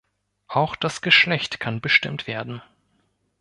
Auch das Geschlecht kann bestimmt werden.